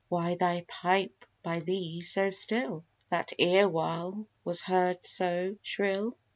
Why thy pipe by thee so still, That erewhile was heard so shrill?